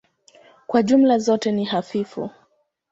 Kwa jumla zote ni hafifu.